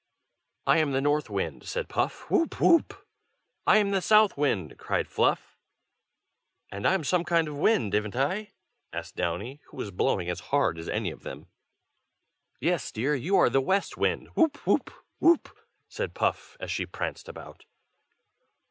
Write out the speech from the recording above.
"I am the North Wind!" said Puff. "Whoop! whoop!" "I am the South Wind!" cried Fluff. "And I'm some kind of wind, ivn't I?" asked Downy, who was blowing as hard as any of them. "Yes, dear, you are the West Wind; whoop! whoop! whoop!" said Puff, as she pranced about.